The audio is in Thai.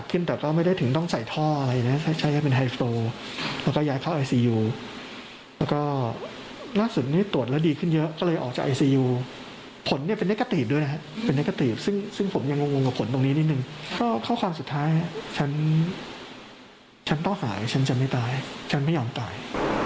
ก็ค่อยมีนิดนึงเข้าความสุดท้ายฉันต้องหายฉันจะไม่ตายฉันไม่ยอมตาย